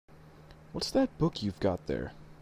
What's that book you've got there?